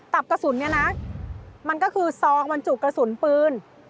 ตับกระสุนนี่นะมันก็คือซองมันจุกกระสุนปืน